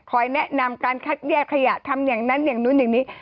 แนะนำการคัดแยกขยะทำอย่างนั้นอย่างนู้นอย่างนี้